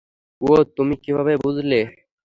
ওহ, তুমি কীভাবে বুঝলে?